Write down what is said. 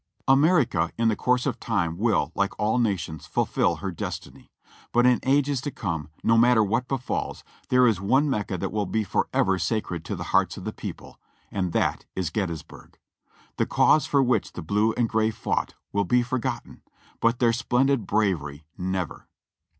America in the course of time will, like all nations, fulfil her destiny ; but in ages to come, no matter what befalls, there is one Mecca that will be forever sacred to the hearts of the people, and that is Gettysburg. The cause for which the blue and gray fought will be forgotten, but their splendid bravery never.